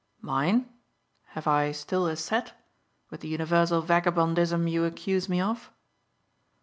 "Mine? Have I still a set with the universal vagabondism you accuse me of?"